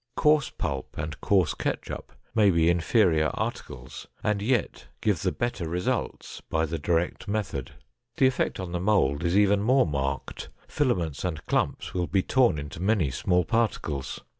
Coarse pulp and coarse ketchup may be inferior articles and yet give the better results by the direct method. The effect on the mold is even more marked—filaments and clumps will be torn into many small particles.